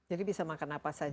jadi bisa makan apa saja